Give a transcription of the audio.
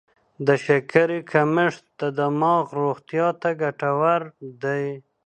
د شکرې کمښت د دماغ روغتیا ته ګټور دی.